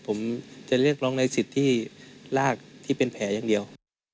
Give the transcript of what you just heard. ผมจะเรียกร้องในสิทธิ์ที่ลากที่เป็นแผลอย่างเดียว